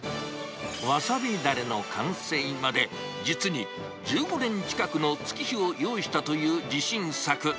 わさびだれの完成まで、実に１５年近くの月日を要したという自信作。